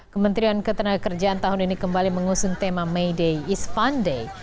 kementerian ketenagakerjaan tahun ini kembali mengusung tema may day is panday